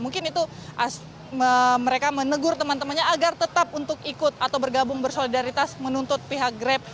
mungkin itu mereka menegur teman temannya agar tetap untuk ikut atau bergabung bersolidaritas menuntut pihak grab